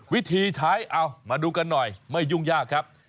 วิธีใช้เอามาดูกันหน่อยไม่ยุ่งยากครับ